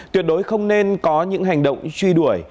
tuyệt đối không nên có những hành động truy đuổi